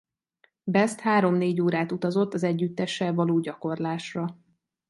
Best három-négy órát utazott az együttessel való gyakorlásra.